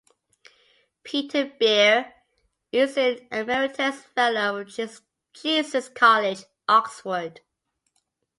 Peter Beer is an Emeritus Fellow of Jesus College, Oxford.